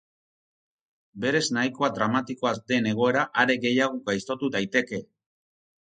Berez nahikoa dramatikoa den egoera are gehiago gaiztotu daiteke.